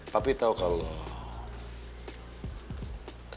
papi tahu kalau